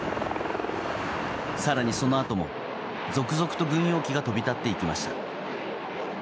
更にそのあとも続々と軍用機が飛び立っていきました。